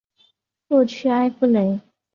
洛屈埃夫雷。